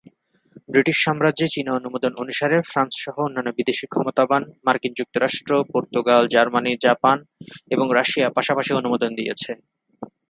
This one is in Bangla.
ব্রিটিশ সাম্রাজ্যে চীনা অনুমোদন অনুসরণে, ফ্রান্স সহ অন্যান্য বিদেশী ক্ষমতাবান, মার্কিন যুক্তরাষ্ট্র, পর্তুগাল, জার্মানি, জাপান, এবং রাশিয়া পাশাপাশি অনুমোদন দিয়েছে।